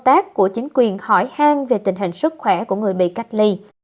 tác của chính quyền hỏi hang về tình hình sức khỏe của người bị cách ly